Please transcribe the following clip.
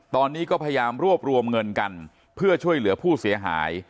ตอนนี้ก็พยายามรวบรวมเงินกันเพื่อช่วยเหลือผู้เสียหาย